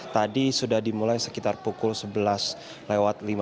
tadi sudah dimulai sekitar pukul sebelas lewat lima puluh